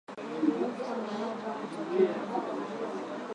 Vifo ni nadra kutokea